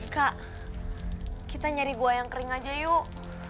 kak kita nyari buah yang kering aja yuk